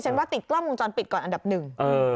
ว่าติดกล้องวงจรปิดก่อนอันดับหนึ่ง